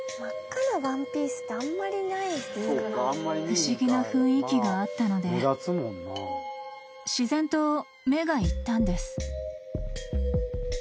［不思議な雰囲気があったので自然と目がいったんです］